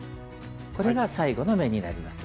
これが最後の目になります。